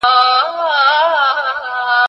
ايا ته بوټونه پاکوې؟